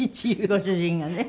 ご主人がね。